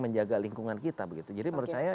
menjaga lingkungan kita begitu jadi menurut saya